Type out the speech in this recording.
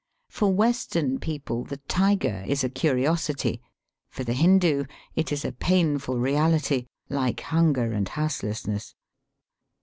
For Western people the tiger is a curiosity; for the Hindoo it is a painful reality, like hunger and houselessness.